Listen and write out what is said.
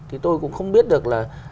thì tôi cũng không biết được là